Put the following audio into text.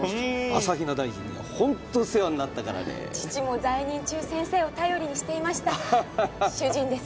朝比奈大臣にはホント世話になったからね父も在任中先生を頼りにしていました主人です